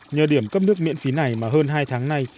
nhờ điểm cấp nước miễn phí này mà hơn hai tháng nay